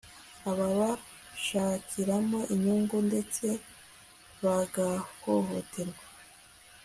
ababashakiramo inyungu ndetse bagahohoterwa